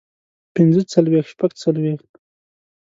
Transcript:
پنځۀ څلوېښت شپږ څلوېښت